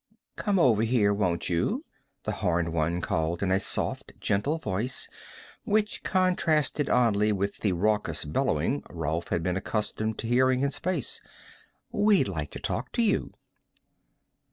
"Come over here, won't you?" the horned one called, in a soft, gentle voice which contrasted oddly with the raucous bellowing Rolf had been accustomed to hearing in space. "We'd like to talk to you."